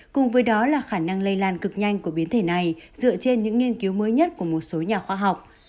cùng với đó là khả năng lây lan cực nhanh của biến thể này dựa trên những nghiên cứu mới nhất của một số nhà khoa học